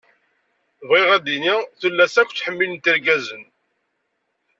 Bɣiɣ ad d-iniɣ tullas akk ttḥemmilent irgazen.